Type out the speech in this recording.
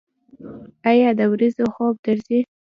ایا د ورځې خوب درځي؟